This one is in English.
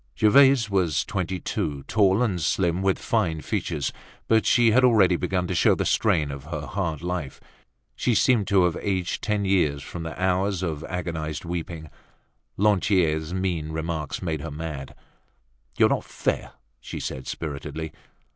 Gervaise was twenty two, tall and slim with fine features, but she was already beginning to show the strain of her hard life. She seemed to have aged ten years from the hours of agonized weeping. Lantier's mean remark made her mad. "You're not fair," she said spiritedly.